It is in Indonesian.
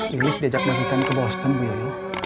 lili diajak bagikan ke boston bu yoyo